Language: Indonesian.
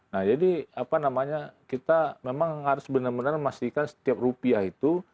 nah jadi apa namanya kita memang harus benar benar memastikan setiap rupiah itu